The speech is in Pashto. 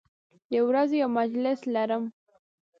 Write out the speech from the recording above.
د ورځې یو مجلس لرم